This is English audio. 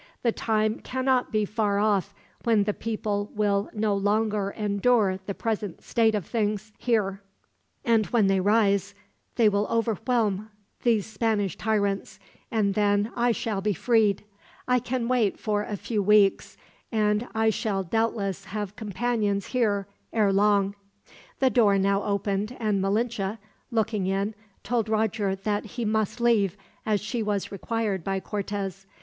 The time cannot be far off when the people will no longer endure the present state of things, here; and when they rise, they will overwhelm these Spanish tyrants, and then I shall be freed. I can wait for a few weeks, and I shall doubtless have companions here, ere long." The door now opened, and Malinche, looking in, told Roger that he must leave, as she was required by Cortez.